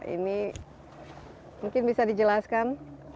ini mungkin bisa dijelaskan